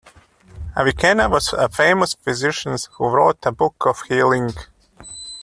Avicenna was a famous physician who wrote the Book of Healing.